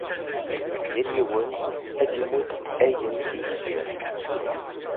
Yal yiwen ad imudd ayen i yezmer.